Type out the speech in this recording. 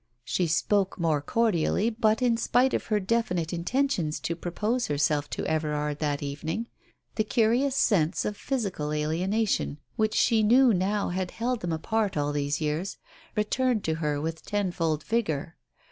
She spoke more cordially, but, in spite of her definite intention to propose herself to Everard that evening, the curious sense of physical alienation which she knew now had held them apart all these years, returned to her with tenfold vigour.